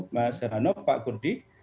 mas ranop pak kudri